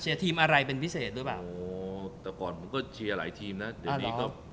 เชียร์ทีมอะไรเป็นวิเศษด้วยแบบ